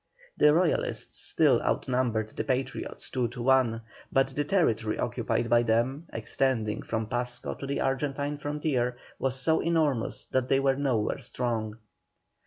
The Royalists still outnumbered the Patriots, two to one, but the territory occupied by them, extending from Pasco to the Argentine frontier, was so enormous, that they were nowhere strong.